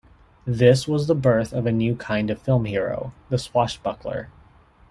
This was the birth of a new kind of film hero: the swashbuckler.